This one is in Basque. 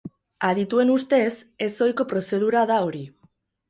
Adituen ustez, ez ohiko prozedura da hori.